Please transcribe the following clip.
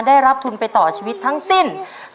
ได้รับทุนไปต่อชีวิตทั้งสิ้น